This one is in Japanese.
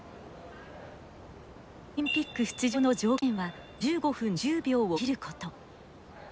オリンピック出場の条件は１５分１０秒を切ること。